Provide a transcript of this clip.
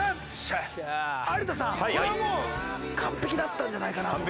有田さんこれはもう完璧だったんじゃないかなと。